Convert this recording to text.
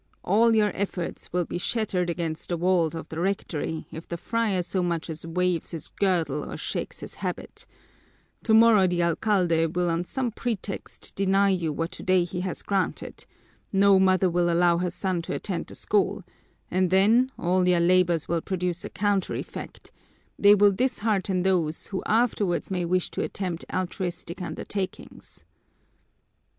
All your efforts will be shattered against the walls of the rectory if the friar so much as waves his girdle or shakes his habit; tomorrow the alcalde will on some pretext deny you what today he has granted; no mother will allow her son to attend the school, and then all your labors will produce a counter effect they will dishearten those who afterwards may wish to attempt altruistic undertakings."